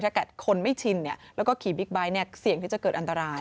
ถ้าแก่คนไม่ชินเนี่ยแล้วก็ขี่บิ๊กไบท์เนี้ยเสี่ยงที่จะเกิดอันตราย